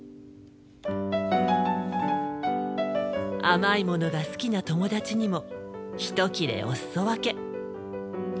甘いものが好きな友達にもひと切れおすそ分け。